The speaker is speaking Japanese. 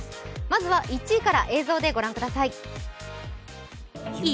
まずは１位から映像でご覧ください